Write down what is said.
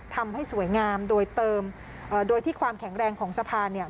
ทำให้สวยงามโดยเติมโดยที่ความแข็งแรงของสะพานเนี่ย